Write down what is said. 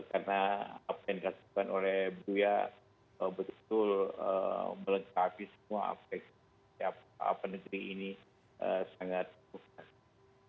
karena apa yang dikasihkan oleh buya betul betul melengkapi semua aspek setiap penegeri ini sangat berpikir